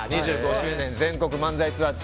２５周年全国漫才ツアー